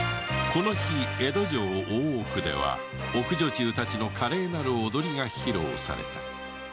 この日江戸城大奥では奥女中達の華麗なる踊りが披露された